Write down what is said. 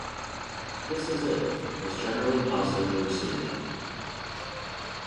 "This Is It" was generally positively received.